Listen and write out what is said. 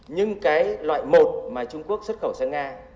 nhưng cái loại một mà trung quốc xuất khẩu sang nga